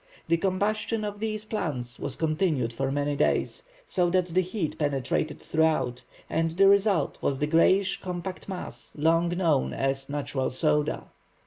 The combustion of these plants was continued for many days, so that the heat penetrated throughout, and the result was the greyish compact mass, long known as "natural soda."